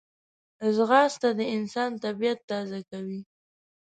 ځغاسته د انسان طبیعت تازه کوي